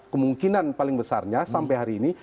kemungkinan paling besarnya sampai hari ini